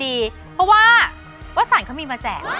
เพราะว่าวัศรก็มีมาแจก